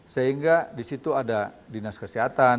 sehingga disitu ada dinas kesehatan